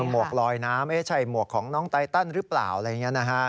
หวกลอยน้ำใช่หมวกของน้องไตตันหรือเปล่าอะไรอย่างนี้นะฮะ